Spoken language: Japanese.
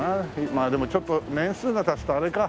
まあでもちょっと年数が経つとあれか。